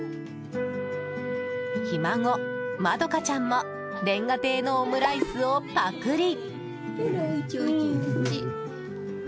ひ孫・円花ちゃんも煉瓦亭のオムライスをパクリ。